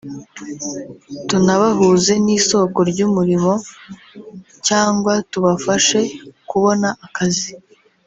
tunabahuze n’isoko ry’umurimo cyangwa tubafashe kubona akazi